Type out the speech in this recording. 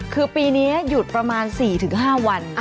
คือปีนี้หยุดประมาณ๔๕วัน